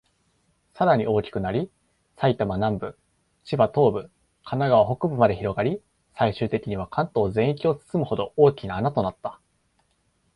さらに大きくなり、埼玉南部、千葉東部、神奈川北部まで広がり、最終的には関東全域を包むほど、大きな穴となった。